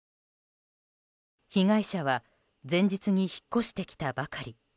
被害者は前日に引っ越してきたばかり。